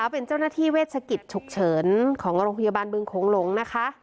เป็นเจ้าหน้าที่เวชกิจฉุกเฉินของโรงพยาบาลบึงโขงหลงนะคะ